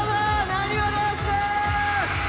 なにわ男子です！